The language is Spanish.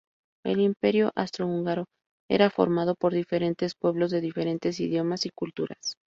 El Imperio Austrohúngaro era formado por diferentes pueblos de diferentes idiomas y culturas.